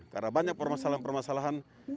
karena banyak permasalahan permasalahan